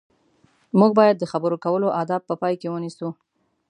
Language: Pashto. موږ باید د خبرو کولو اداب په پام کې ونیسو.